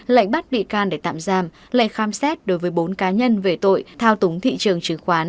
lệnh bắt bị can để tạm giam lệnh khám xét đối với bốn cá nhân về tội thao túng thị trường chứng khoán